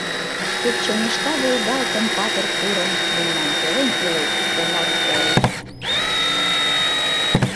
Тек чоҥешта волгалтын патыр курым, — Мемнан пелен илет, Онар-поэт!